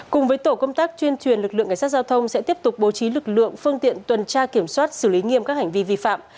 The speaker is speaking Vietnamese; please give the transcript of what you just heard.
cùng với tổ công tác chuyên truyền lực lượng cảnh sát giao thông sẽ tiếp tục bố trí lực lượng phương tiện tuần tra kiểm soát xử lý nghiêm các hành vi vi phạm